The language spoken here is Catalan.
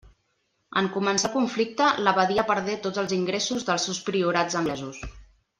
En començar el conflicte, l'abadia perdé tots els ingressos dels seus priorats anglesos.